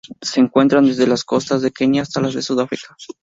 Se encuentran desde las costas de Kenia hasta las de Sudáfrica.